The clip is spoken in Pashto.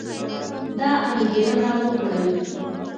دا انګېرنه وکړئ